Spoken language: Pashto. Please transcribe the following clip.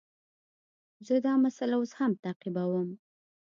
زه دا مسئله اوس هم تعقیبوم.